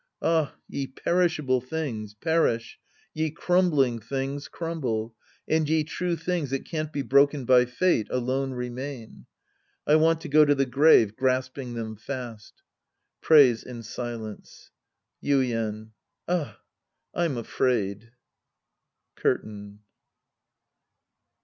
Ah, ye perishable things, perish. Ye crumbling things, crumble. And ye true things that can't be broken by fate, alone remain. I want to go to the grave grasping them fast. {Prays in silence^ Yuien. Ah, I'm afraid. {Curtain!)